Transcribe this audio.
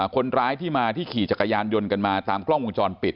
คนร้ายที่มาที่ขี่จักรยานยนต์กันมาตามกล้องวงจรปิด